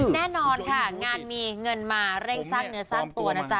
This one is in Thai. แน่นอนค่ะงานมีเงินมาเร่งสร้างเนื้อสร้างตัวนะจ๊